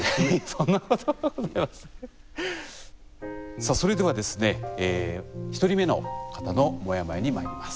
さっそれではですね１人目の方のモヤモヤにまいります。